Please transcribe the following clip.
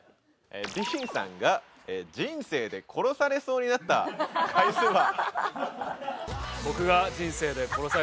ＤＥＡＮさんが人生で殺されそうになった回数は？